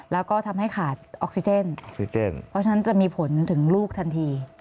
แล้วก็ทำให้ขาดออกซิเจนซิเจนเพราะฉะนั้นจะมีผลถึงลูกทันที